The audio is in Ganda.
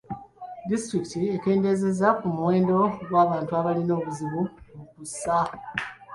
Disitulikiti ekeendezeza ku muwendo gw'abantu abalina obuzibu mu kussa.